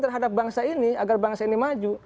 terhadap bangsa ini agar bangsa ini maju